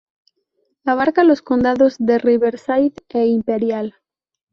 Abarca los condados de Riverside e Imperial.